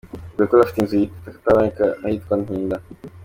Bebe Cool afite inzu y’akataraboneka ahitwa Ntinda.